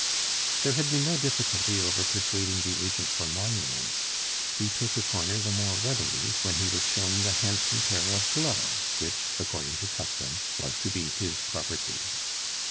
There had been no difficulty over persuading the agent for monuments. He took a corner the more readily when he was shown the handsome pair of gloves which, according to custom, was to be his property.